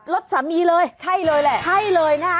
รถสามีเลยใช่เลยแหละ